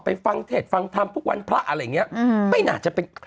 ไปฟังเทศฟังธรรมพวกวันพระอะไรอย่างนี้